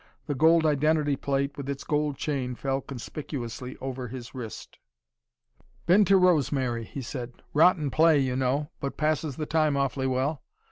The gold identity plate, with its gold chain, fell conspicuously over his wrist. "Been to 'Rosemary,'" he said. "Rotten play, you know but passes the time awfully well.